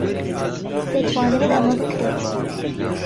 دەتوانرێت ئەمە بکرێت.